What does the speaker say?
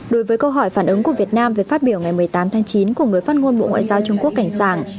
đối với câu hỏi phản ứng của việt nam về phát biểu ngày một mươi tám tháng chín của người phát ngôn bộ ngoại giao trung quốc cảnh sảng